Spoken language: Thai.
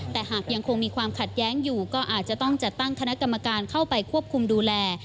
แต่หากยังคงมีความขัดแย้งอยู่ก็อาจจะต้องจัดตั้งคณะกรรมการเข้าไปควบคุมดูแล